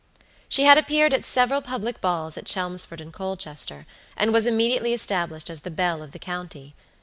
She had appeared at several public balls at Chelmsford and Colchester, and was immediately established as the belle of the county.